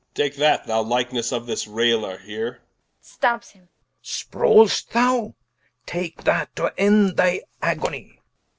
Take that, the likenesse of this Rayler here. Stabs him. Rich. Sprawl'st thou? take that, to end thy agonie.